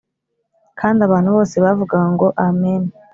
Kandi abantu bose bavugango amen